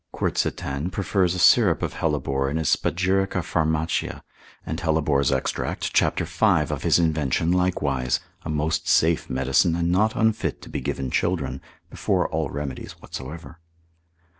Quercetan prefers a syrup of hellebore in his Spagirica Pharmac. and Hellebore's extract cap. 5. of his invention likewise (a most safe medicine and not unfit to be given children) before all remedies whatsoever.